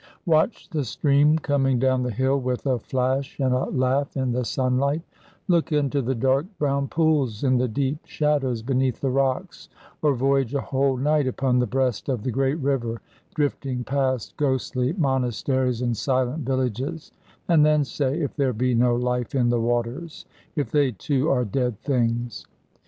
Watch the stream coming down the hill with a flash and a laugh in the sunlight, look into the dark brown pools in the deep shadows beneath the rocks, or voyage a whole night upon the breast of the great river, drifting past ghostly monasteries and silent villages, and then say if there be no life in the waters, if they, too, are dead things.